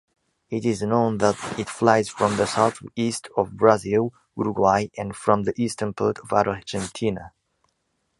It is known that it flies from the south-east of Brazil, Uruguay and from the eastern part of Argentina.